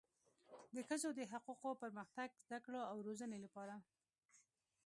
د ښځو د حقوقو، پرمختګ، زده کړو او روزنې لپاره